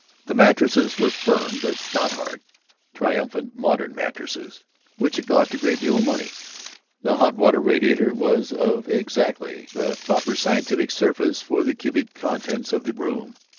The mattresses were firm but not hard, triumphant modern mattresses which had cost a great deal of money; the hot water radiator was of exactly the proper scientific surface for the cubic contents of the room.